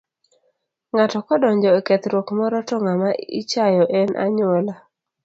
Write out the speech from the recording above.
Ng'ato kodonjo e kethruok moro to ng'ama ichayo en anyuola.